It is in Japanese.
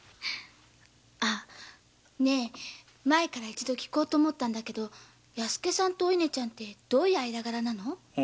一度聞こうと思ってたんだけど弥助さんとおいねちゃんってどういう間柄なの？